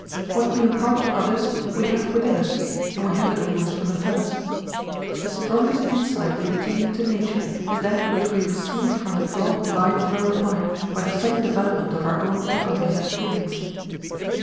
What we impart to others we have within us, and we have it almost from the first. The strongest insight we obtain into nature is that which we receive from the broad light thrown upon it by the sudden development of our own faculties and feelings.